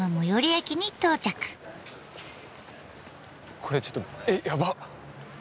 これちょっとえっやばっ。